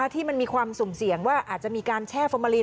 ที่มันมีความสุ่มเสี่ยงว่าอาจจะมีการแช่ฟอร์มาลีน